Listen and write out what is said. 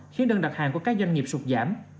khiến đơn đặt hàng của các doanh nghiệp sụt giảm